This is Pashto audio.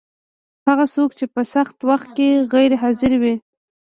هغه څوک چې په سخت وخت کي غیر حاضر وي